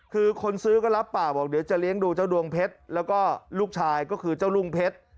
คือคนซื้อก็รับปากบอกเดี๋ยวจะเลี้ยงดูเจ้าดวงเพชรแล้วก็ลูกชายก็คือเจ้าลุงเพชร